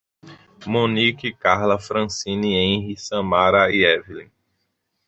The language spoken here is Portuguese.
Monique, Karla, Francine, Henry, Samara e Évelin